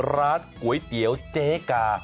ร้านก๋วยเตี๋ยวเจ๊กา